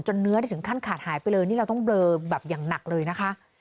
เนื้อนี่ถึงขั้นขาดหายไปเลยนี่เราต้องเบลอแบบอย่างหนักเลยนะคะ